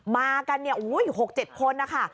มากันเนี่ยโอ้โหอยู่๖๗คนนะคะ